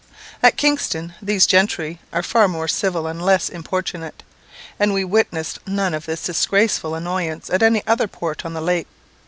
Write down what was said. At Kingston these gentry are far more civil and less importunate, and we witnessed none of this disgraceful annoyance at any other port on the lake.